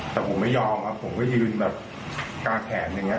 แต่ผมไม่ยอมผมก็ยืนกลางแขนอย่างนี้